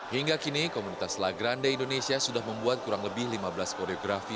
hingga kini komunitas la grande indonesia sudah membuat kurang lebih lima belas koreografi